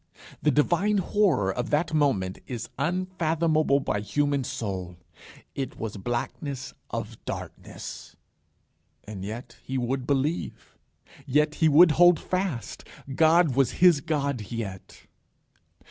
The divine horror of that moment is unfathomable by human soul. It was blackness of darkness. And yet he would believe. Yet he would hold fast. God was his God yet.